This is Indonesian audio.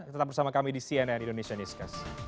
tetap bersama kami di cnn indonesia newscast